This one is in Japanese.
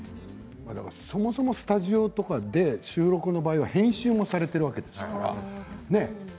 そもそもスタジオとかで収録の場合は編集もされているわけですから。